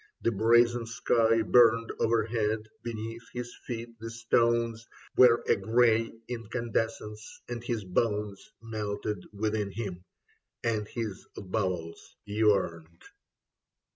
The brazen sky Burned overhead. Beneath his feet the stones Were a grey incandescence, and his bones Melted within him, and his bowels yearned.